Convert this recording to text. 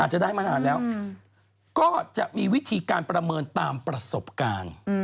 จะได้มานานแล้วก็จะมีวิธีการประเมินตามประสบการณ์